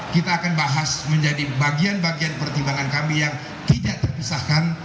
kita akan bahas menjadi bagian bagian pertimbangan kami yang tidak terpisahkan